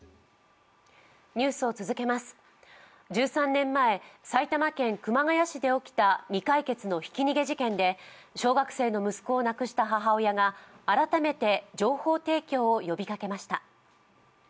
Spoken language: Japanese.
１３年前埼玉県熊谷市で起きた未解決のひき逃げ事件で小学生の息子を亡くした母親が改めて情報提供を呼びかけました。